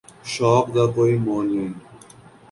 شوق دا کوئ مُل نہیں۔